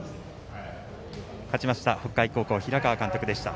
勝ちました北海高校平川監督でした。